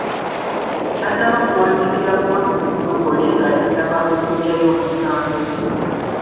Tannaba kuwandiikira kkooti mu butongole ng’agisaba okuggyayo omusango.